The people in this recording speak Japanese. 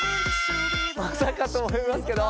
まさかと思いますけど。